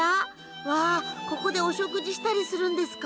うわここでお食事したりするんですか。